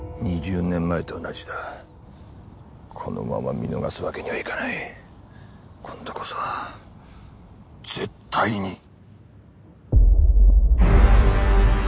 ２０年前と同じだこのまま見逃すわけにはいかない今度こそは絶対に！